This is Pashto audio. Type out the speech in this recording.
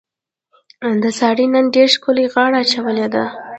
سارې نن ډېره ښکلې غاړه اچولې ده.